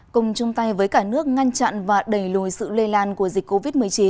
cùng chung tay với cả nước ngăn chặn và đẩy lùi sự lây lan của dịch covid một mươi chín